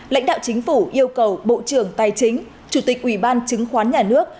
lãnh đạo chính phủ yêu cầu bộ trưởng tài chính chủ tịch ủy ban chứng khoán nhà nước